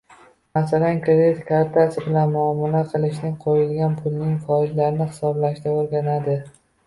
masalan kredit kartasi bilan muomala qilishni, qo‘yilgan pulning foizlarini hisoblashni o‘rganadi.